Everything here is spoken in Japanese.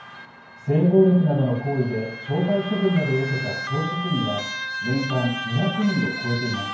性暴力などの行為で懲戒処分などを受けた教職員は年間２００人を超えています。